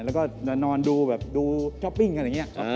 แล้วก็จะนอนดูแบบดูช้อปปิ้งกันอย่างนี้